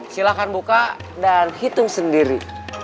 silahkan buka dan hitung sendiri